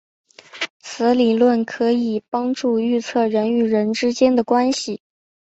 此理论可以帮助预测人与人之间的关系。